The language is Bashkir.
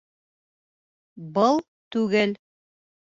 Был түгел.